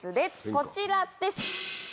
こちらです。